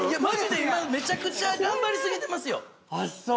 マジで今めちゃくちゃ頑張りすぎてますよあっ